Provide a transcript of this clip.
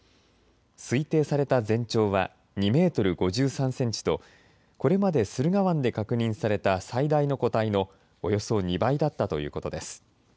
推定された全長は２メートル５３センチとこれまで駿河湾で確認された最大の個体のおよそ２倍だったということです。